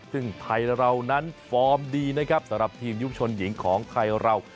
ซึ่งไท๑๙๘๑นั้นทอมดีสำหรับทีมยุคละสนหญิงของไทไลน์